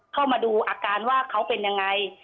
เข้ามาดูอาการว่าเขาเป็นยังไง